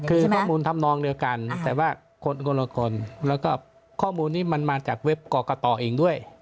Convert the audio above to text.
คือข้อมูลทำนองเดียวกันแต่ว่าคนละคน